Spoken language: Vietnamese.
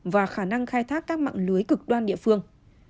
và khả năng khai thác các mạng lưới cực đoan địa phương